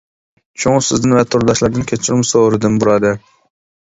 شۇڭا سىزدىن ۋە تورداشلاردىن كەچۈرۈم سورىدىم بۇرادەر.